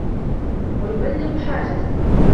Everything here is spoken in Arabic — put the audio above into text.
وَيُبَلِّغُ حَاجَتَك